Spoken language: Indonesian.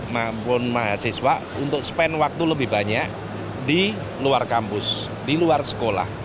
maupun mahasiswa untuk spend waktu lebih banyak di luar kampus di luar sekolah